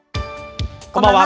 こんばんは。